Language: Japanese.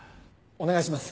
お願いします！